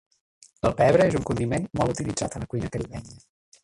El pebre és un condiment molt utilitzat a la cuina caribenya.